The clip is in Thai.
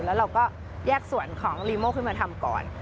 แล้วเราก็แยกส่วนของลีโมขึ้นมาทำก่อน